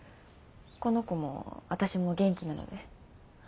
この子も私も元気なので。